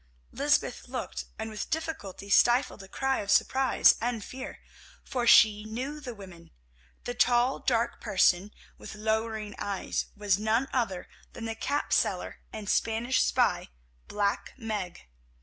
Lysbeth looked, and with difficulty stifled a cry of surprise and fear, for she knew the women. The tall, dark person, with lowering eyes, was none other than the cap seller and Spanish spy, Black Meg.